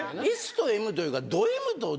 「Ｓ」と「Ｍ」というか。